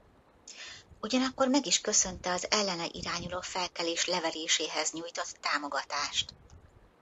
Ugyanakkor meg is köszönte az ellene irányuló felkelés leveréséhez nyújtott támogatást.